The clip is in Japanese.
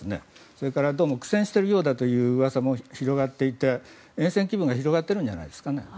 それから、どうも苦戦しているようだといううわさも広がっていてえん戦規模が広がっているんじゃないですかね。